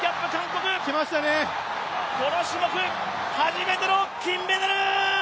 この種目、初めての金メダル